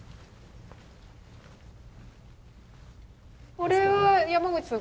これは山口さん